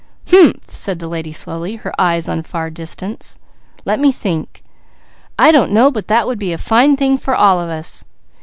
"Hu'umh!" said the lady slowly, her eyes on far distance. "Let me think! I don't know but that would be a fine thing for all of us.